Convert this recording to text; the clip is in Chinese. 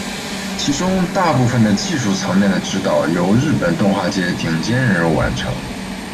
其中大部分的技术层面的指导由日本动画界顶尖人物完成。